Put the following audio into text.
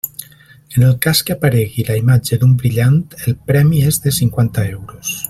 En el cas que aparegui la imatge d'un brillant, el premi és de cinquanta euros.